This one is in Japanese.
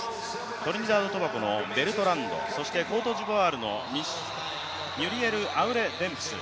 トリニダード・トバゴのベルトランド、そしてコートジボワールのミュリエル・アウレ‐デンプス